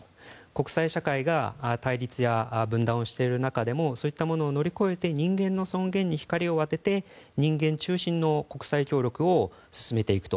国際社会が対立や分断をしている中でもそういったものを乗り越えて人間の尊厳に光を当てて人間中心の国際協力を進めていくと。